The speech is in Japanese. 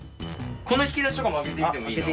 この引き出しとかも開けてみてもいいの？